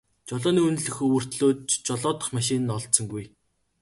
Жолооны үнэмлэх өвөртлөөд ч жолоодох машин нь олдсонгүй.